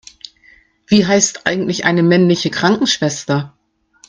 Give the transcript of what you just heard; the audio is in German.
Wie heißt eigentlich eine männliche Krankenschwester?